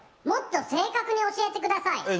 もっと正確に教えてください